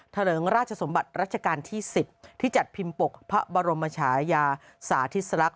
เลิงราชสมบัติรัชกาลที่๑๐ที่จัดพิมพ์ปกพระบรมชายาสาธิสลักษ